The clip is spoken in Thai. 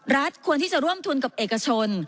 ควรที่จะร่วมทุนกับเอกชน